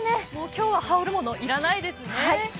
今日は羽織るもの、いらないですね。